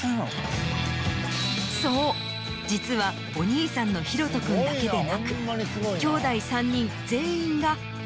そう実はお兄さんの洋翔君だけでなく。